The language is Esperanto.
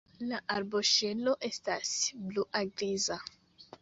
La arboŝelo estas blua-griza.